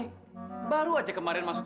kamu bakal jatuh